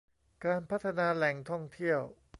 การพัฒนาแหล่งท่องเที่ยว